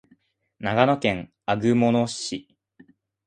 長野県安曇野市